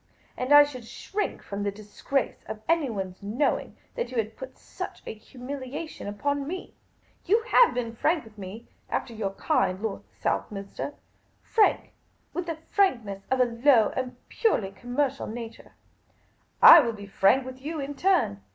And I should shrink from the disgrace of anyone's knowing that you had put such a humiliation upon me. You have been frank with me — after your kind, Lord Southminster ; frank with the franknCvSS of a low and purely connnercial nature. I will be frank with you in turn.